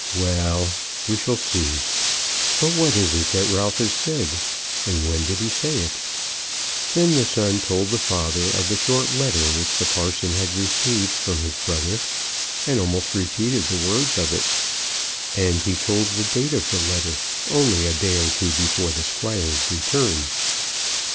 "Well; we shall see. But what is it that Ralph has said? And when did he say it?" Then the son told the father of the short letter which the parson had received from his brother, and almost repeated the words of it. And he told the date of the letter, only a day or two before the Squire's return.